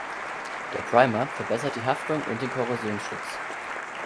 Der Primer verbessert die Haftung und den Korrosionsschutz.